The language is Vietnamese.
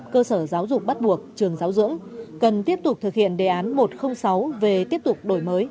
cơ sở giáo dục bắt buộc trường giáo dưỡng cần tiếp tục thực hiện đề án một trăm linh sáu về tiếp tục đổi mới